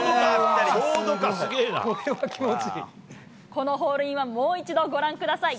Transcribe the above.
このホールインワン、もう一度ご覧ください。